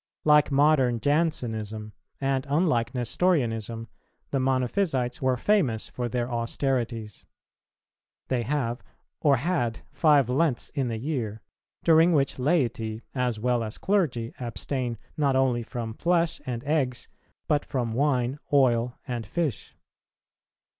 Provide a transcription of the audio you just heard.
Like modern Jansenism, and unlike Nestorianism, the Monophysites were famous for their austerities. They have, or had, five Lents in the year, during which laity as well as clergy abstain not only from flesh and eggs, but from wine, oil, and fish.